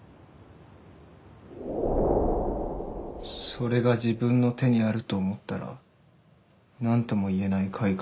それが自分の手にあると思ったらなんとも言えない快感が走った。